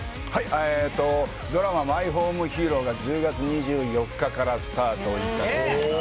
ドラマ、マイホームヒーローが１０月２４日からスタートいたします。